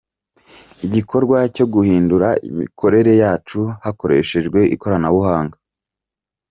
Igikorwa cyo guhindura imikorere yacu hakoreshejwe ikoranabuhanga.